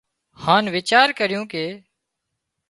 هانَ ويچار ڪريو ڪي